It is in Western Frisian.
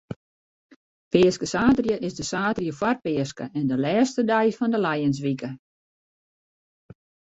Peaskesaterdei is de saterdei foar Peaske en de lêste dei fan de lijenswike.